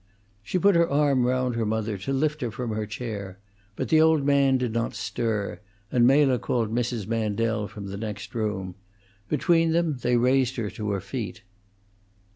She put her arm round her mother, to lift her from her chair, but the old man did not stir, and Mela called Mrs. Mandel from the next room. Between them they raised her to her feet.